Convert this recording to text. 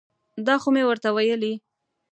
دا خو مې ورته ویلي.